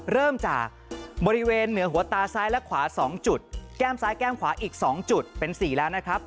เริ่มจากบริเวณเหนือหัวตาซ้ายและขวา๒จุดแก้มซ้ายแก้มขวาอีก๒จุดเป็น๔แล้วนะครับ